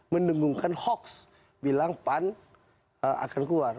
mendengungkan hoax bilang pan akan keluar